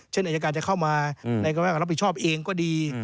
เช่นอาจารย์การจะเข้ามาในการรับผิดชอบเองก็ดี